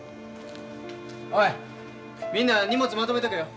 おいみんな荷物まとめとけよ。